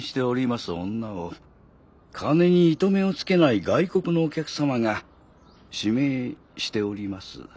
女を金に糸目をつけない外国のお客様が指名しております。